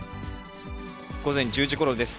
午前１０時ごろです。